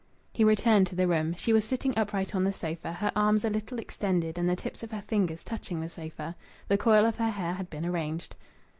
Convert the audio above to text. He returned to the room. She was sitting upright on the sofa, her arms a little extended and the tips of her fingers touching the sofa. The coil of her hair had been arranged.